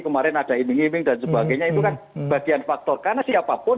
kemarin ada iming iming dan sebagainya itu kan bagian faktor karena siapapun